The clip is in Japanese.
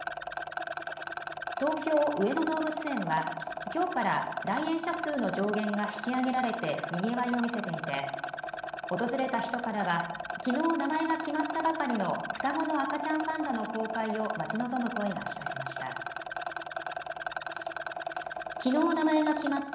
東京上野動物園はきょうから来園者数の上限が引き上げられて、にぎわいを見せていて訪れた人からはきのう名前が決まったばかりの双子の赤ちゃんパンダの公開を待ち望む声が聞かれました。